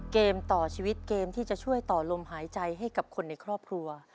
เกมต่อชีวิตเกมที่จะช่วยต่อลมหายใจให้กับคนในครอบครัว